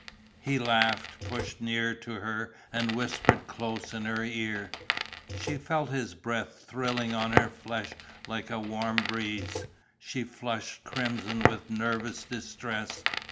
He laughed, pushed nearer to her and whispered close in her ear. She felt his breath thrilling on her flesh like a warm breeze. She flushed crimson with nervous distress.